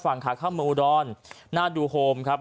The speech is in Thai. ฝั่งขาข้ามอุดรนหน้าดูโฮมครับ